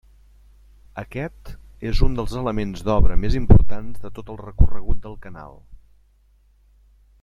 Aquest és un dels elements d'obra més importants de tot el recorregut del canal.